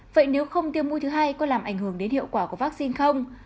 vậy nếu không tiêm mũi thứ hai có làm ảnh hưởng đến hiệu quả của vaccine không